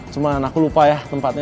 cuma aku lupa ya tempatnya